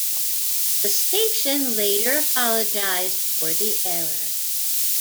The station later apologized for the error.